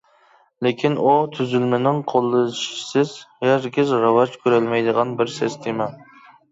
لېكىن ئۇ تۈزۈلمىنىڭ قوللىشىسىز ھەرگىز راۋاج كۆرەلمەيدىغان بىر سىستېما.